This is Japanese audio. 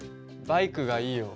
バイクがいいよ。